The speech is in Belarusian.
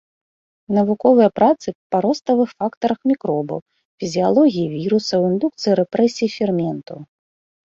Навуковыя працы па роставых фактарах мікробаў, фізіялогіі вірусаў, індукцыі і рэпрэсіі ферментаў.